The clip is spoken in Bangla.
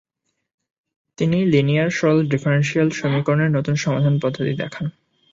তিনি লিনিয়ার সরল ডিফারেন্সিয়াল সমীকরণের নতুন সমাধান পদ্ধতি দেখান।